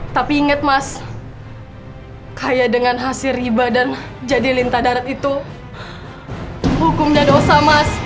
tapi ingat mas kaya dengan hasil riba dan jadi lintah darat itu hukumnya dosa mas